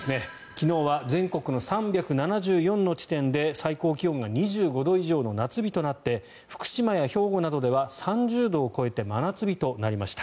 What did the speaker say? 昨日は全国の３７４の地点で最高気温が２５度以上の夏日となって福島や兵庫などでは３０度を超えて真夏日となりました。